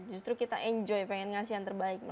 justru kita enjoy pengen ngasih yang terbaik